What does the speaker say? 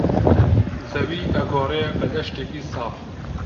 زەوی ئەگۆڕێ بە دەشتێکی ساف